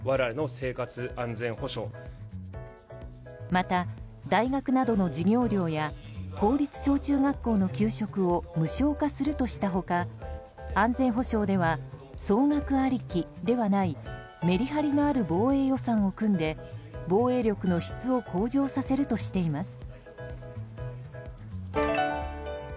また、大学などの授業料や公立小中学校の給食を無償化するとした他安全保障では総額ありきではないメリハリのある防衛予算を組んで防衛力の質を向上させるとしています。